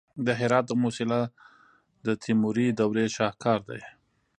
د هرات د موسیلا د تیموري دورې شاهکار دی